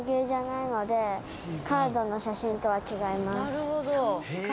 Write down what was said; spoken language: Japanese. なるほど。